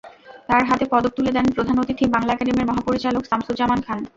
তাঁর হাতে পদক তুলে দেন প্রধান অতিথি বাংলা একাডেমির মহাপরিচালক শামসুজ্জামান খান।